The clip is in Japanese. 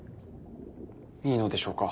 いいのでしょうか